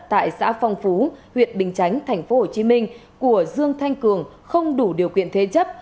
tại xã phong phú huyện bình chánh tp hcm của dương thanh cường không đủ điều kiện thế chấp